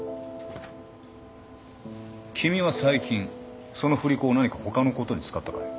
君は最近その振り子を何か他のことに使ったかい？